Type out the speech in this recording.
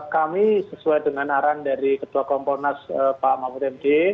kami sesuai dengan arahan dari ketua komponas pak mahfud md